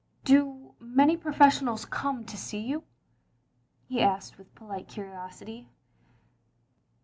"Do many professional people come to see you?" he asked with polite curiosity.